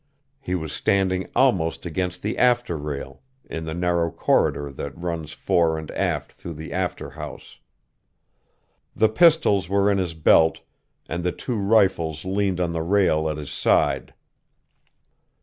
He was standing almost against the after rail, in the narrow corridor that runs fore and aft through the after house.... The pistols were in his belt, and the two rifles leaned on the rail at his side.